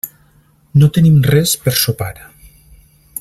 No tenim res per sopar.